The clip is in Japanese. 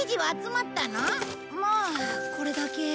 まあこれだけ。